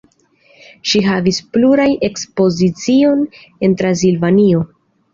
Ŝi havis plurajn ekspoziciojn en Transilvanio.